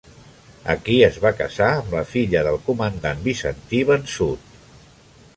Aquí es va casar amb la filla del comandant bizantí vençut.